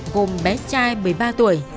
gồm bé trai một mươi ba tuổi